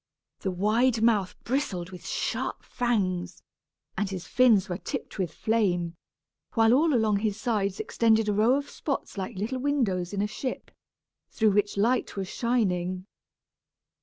The wide mouth bristled with sharp fangs, and his fins were tipped with flame, while all along his sides extended a row of spots like little windows in a ship, through which light was shining.